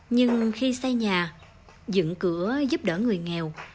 nhưng khi xây nhà dựng cửa giúp đỡ người nghèo